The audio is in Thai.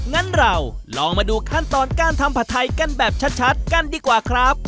งั้นเราลองมาดูขั้นตอนการทำผัดไทยกันแบบชัดกันดีกว่าครับ